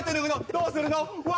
どうするの？わ！